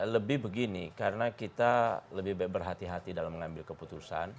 lebih begini karena kita lebih berhati hati dalam mengambil keputusan